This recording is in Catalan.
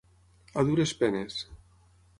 A dures penes.